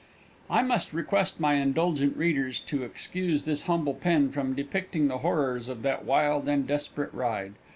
I must request my indulgent readers to excuse this humble pen from depicting the horrors of that wild and desperate ride.